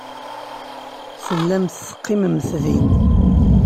Tellamt teqqimemt din.